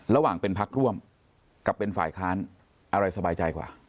ระหว่างเป็นพักร่วมกับเป็นฝ่ายค้านอะไรสบายใจกว่า